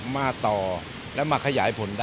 มาต่อแล้วมาขยายผลได้